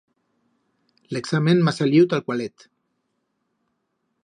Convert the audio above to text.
L'examen m'ha saliu talcualet.